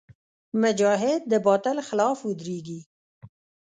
مجاهد د باطل خلاف ودریږي.